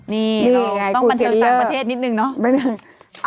นี่ต้องบันเทิงต่างประเทศนิดนึงเนาะ